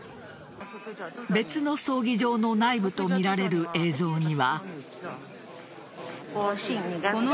別の葬儀場の内部とみられる映像には。